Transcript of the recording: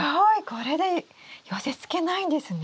これで寄せつけないんですね？